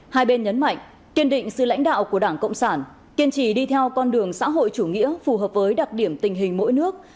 hai bên nhấn mạnh kiên định sự lãnh đạo của đảng cộng sản kiên trì đi theo con đường xã hội chủ nghĩa phù hợp với đặc điểm tình hình mỗi nước